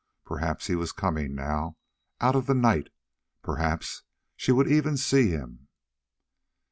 Perhaps he was coming now out of the night; perhaps she would even see him.